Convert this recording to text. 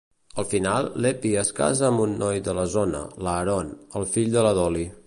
Al final, l'Eppie es casa amb un noi de la zona, l'Aaron, el fill de la Dolly.